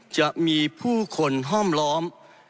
จะมีผู้คนห้อมล้อม